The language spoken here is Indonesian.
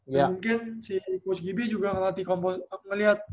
mungkin si coach gd juga ngeliat